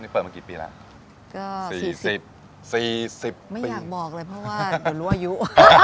เปิดมากี่ปีแล้วก็๔๐ปีไม่อยากบอกเลยเพราะว่าอยู่รั่วอยู่